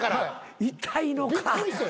痛いのか。